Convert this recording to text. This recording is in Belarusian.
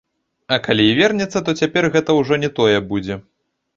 А калі і вернецца, то цяпер гэта ўжо не тое будзе.